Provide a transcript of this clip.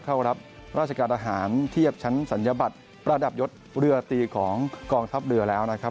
เข้ารับราชการทหารเทียบชั้นศัลยบัตรประดับยศเรือตีของกองทัพเรือแล้วนะครับ